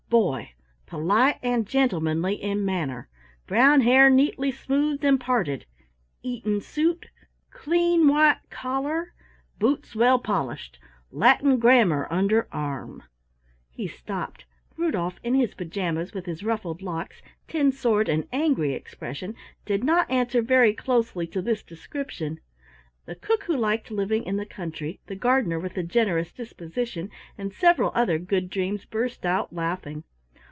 Boy: polite and gentlemanly in manner brown hair neatly smoothed and parted Eton suit, clean white collar, boots well polished Latin grammar under arm " He stopped. Rudolf, in his pajamas, with his ruffled locks, tin sword, and angry expression, did not answer very closely to this description. The Cook who liked living in the Country, the Gardener with the Generous Disposition, and several other Good Dreams burst out laughing.